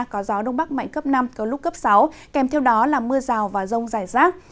có gió đông bắc mạnh cấp năm có lúc cấp sáu kèm theo đó là mưa rào và rông rải rác